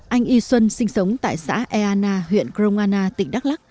anh y xuân sinh sống tại xã eana huyện kromana tỉnh đắk lắc